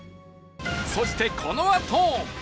そしてこのあと